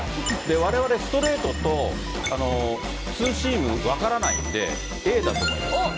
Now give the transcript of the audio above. われわれ、ストレートとツーシーム、分からないのでＡだと思います。